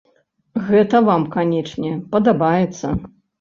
Гэта вам, канечне, падабаецца.